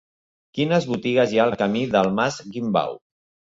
Quines botigues hi ha al camí del Mas Guimbau?